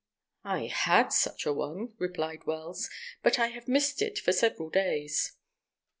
"I had such a one," replied Wells, "but I have missed it for several days."